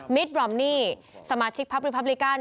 มิตรบรอมนี่สมาชิกภาพปริปฟับลิกัน